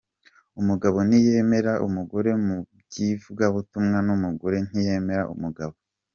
Umugabo ntiyemera umugore mu by’ivugabutumwa, n’umugore ntiyemera umugabo.